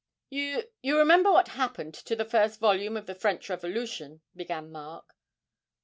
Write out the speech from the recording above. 'You you remember what happened to the first volume of the "French Revolution"?' began Mark.